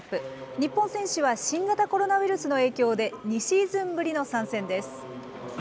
日本選手は新型コロナウイルスの影響で、２シーズンぶりの参戦です。